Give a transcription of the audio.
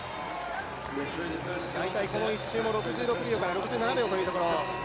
大体この１周も６６秒から６７秒というところ。